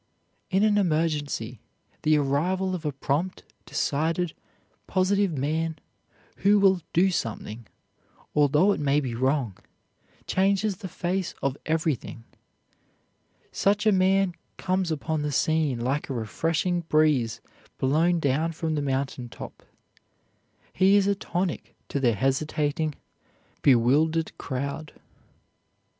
In an emergency, the arrival of a prompt, decided, positive man, who will do something, although it may be wrong, changes the face of everything. Such a man comes upon the scene like a refreshing breeze blown down from the mountain top. He is a tonic to the hesitating, bewildered crowd.